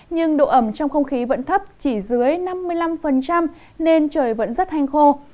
nhưng độ ẩm trong không khí vẫn thấp chỉ dưới năm mươi năm nên trời vẫn rất hanh khô